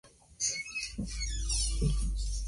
Los dientes muestran facetas de desgaste en sus lados.